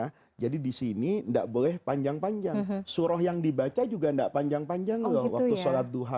dua belas dua belas ya jadi di sini enggak boleh panjang panjang surah yang dibaca juga enggak panjang panjang loh waktu sholat duha